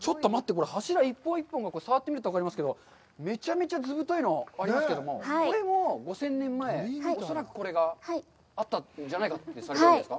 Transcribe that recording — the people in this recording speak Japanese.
これ柱１本１本が、触ってみると分かりますけどめちゃめちゃずぶといのありますけど、これも５０００年前、恐らくこれがあったんじゃないかとされているんですか。